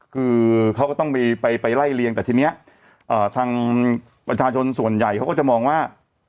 คือเขาก็ต้องไปไล่เลียงแต่ทีนี้ทางประชาชนส่วนใหญ่เขาก็จะมองว่า